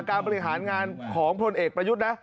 บริหารงานของพลเอกประยุทธ์นะ